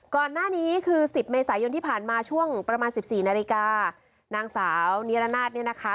ก่อนหน้านี้คือสิบเมษายนที่ผ่านมาช่วงประมาณสิบสี่นาฬิกานางสาวนิรนาศเนี่ยนะคะ